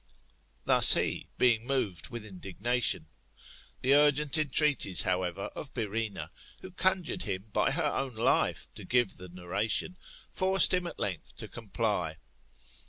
Thus he, being moved with indignation. The urgent entreaties, however, of Byrr haena, who conjured him by her own life to give the narration, forced him at length to comply.